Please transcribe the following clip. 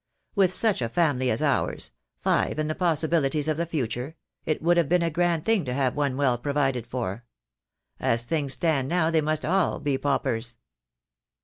With such a family as ours — five and the possibilities of the future — it would have been a grand thing to have one well provided for. As things stand now they must all be paupers."